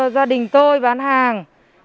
gia đình tôi bán hàng